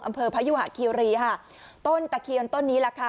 พยุหะคีรีค่ะต้นตะเคียนต้นนี้แหละค่ะ